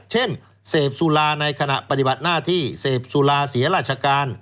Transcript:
เช่นเสพสุราในขณะปฏิบัติหน้าที่เสพสุราเสียราชการ